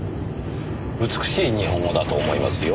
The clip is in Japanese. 美しい日本語だと思いますよ。